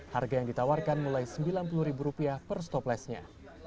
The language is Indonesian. harga yang ditawarkan mulai sembilan puluh ribu rupiah per stoplessnya